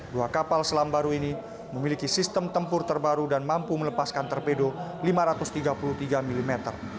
dua kapal selam baru ini memiliki sistem tempur terbaru dan mampu melepaskan torpedo lima ratus tiga puluh tiga mm